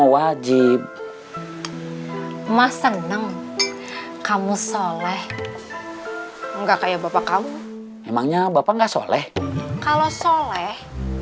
wajib mas seneng kamu soleh enggak kayak bapak kamu emangnya bapak enggak soleh kalau soleh